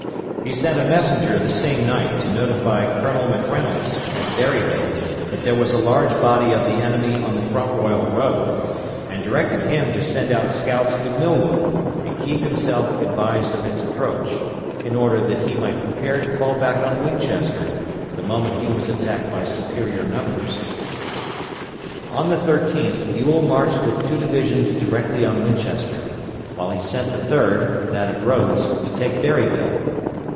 He sent a messenger the same night to notify Colonel McReynolds, at Berryville, that there was a large body of the enemy on the Front Royal road, and directed him to send out scouts to Millwood, and keep himself advised of its approach, in order that he might prepare to fall back on Winchester the moment he was attacked by superior numbers. On the 13th Ewell marched with two divisions directly on Winchester, while he sent the third that of Rodes to take Berryville.